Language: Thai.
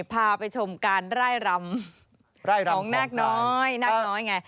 พาไปชมการไล่รำของนากน้อย